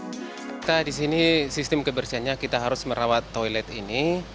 kita di sini sistem kebersihannya kita harus merawat toilet ini